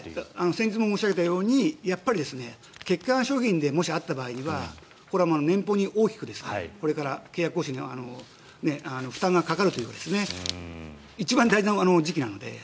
先日も申し上げたようにもし欠陥商品であった場合には年俸に大きくこれから契約更新の負担がかかるという一番大事な時期なので。